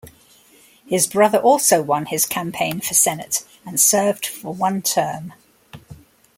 His brother also won his campaign for Senate, and served for one term.